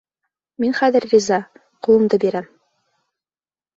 Мин хәҙер риза, ҡулымды бирәм!